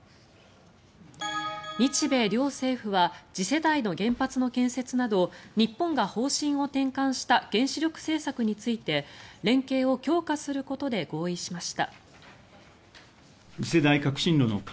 日米両政府は次世代の原発の建設など日本が方針を転換した原子力政策について連携を強化することで合意しました。